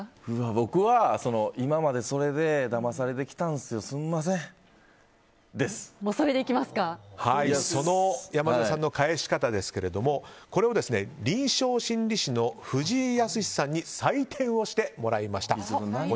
僕は、今までそれでだまされてきたんすよ。その山添さんの返し方ですがこれを臨床心理士の藤井靖さんに採点をしてもらいました。